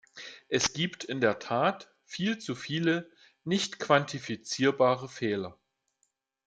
Es gibt in der Tat viel zu viele nicht quantifizierbare Fehler.